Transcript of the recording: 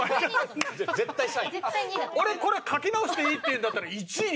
俺これ書き直していいっていうんだったら１位に。